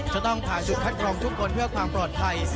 จะต้องผ่านจุดคัดกรองทุกคนเพื่อความปลอดภัย